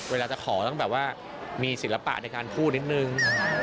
เวลาจะขอต้องแบบว่ามีศิลปะในการพูดนิดนึง